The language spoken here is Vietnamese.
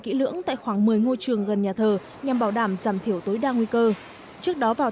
kỹ lưỡng tại khoảng một mươi ngôi trường gần nhà thờ nhằm bảo đảm giảm thiểu tối đa nguy cơ trước đó vào